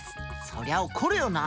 そりゃ怒るよな。